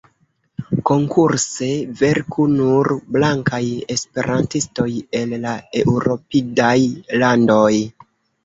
Konkurse verku nur blankaj esperantistoj el la eŭropidaj landoj.